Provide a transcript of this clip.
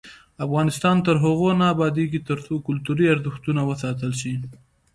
افغانستان تر هغو نه ابادیږي، ترڅو کلتوري ارزښتونه وساتل شي.